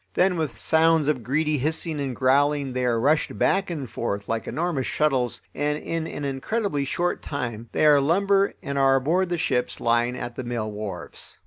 Then with sounds of greedy hissing and growling they are rushed back and forth like enormous shuttles, and in an incredibly short time they are lumber and are aboard the ships lying at the mill wharves.